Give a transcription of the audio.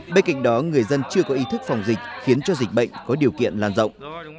bên cạnh đó người dân chưa có ý thức phòng dịch khiến cho dịch bệnh có điều kiện lan rộng